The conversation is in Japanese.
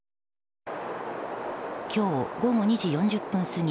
今日、午後２時４０分過ぎ